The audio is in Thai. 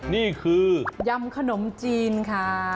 นี่คือยำขนมจีนค่ะ